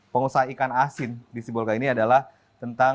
pengusaha ikan asin di sibolga ini adalah tentang